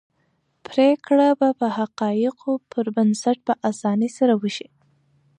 پرېکړه به د حقایقو پر بنسټ په اسانۍ سره وشي.